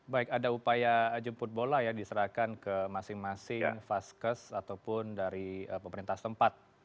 baik ada upaya jemput bola ya diserahkan ke masing masing vaskes ataupun dari pemerintah tempat